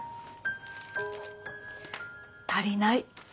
足りない。